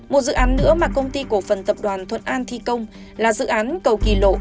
một dự án nữa mà công ty cổ phần tập đoàn thuận an thi công là dự án cầu kỳ lộ